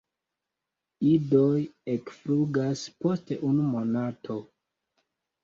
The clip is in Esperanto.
Idoj ekflugas post unu monato.